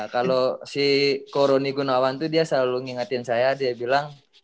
kalau si koroni gunawan tuh dia selalu ngingetin saya dia bilang